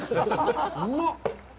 うまっ。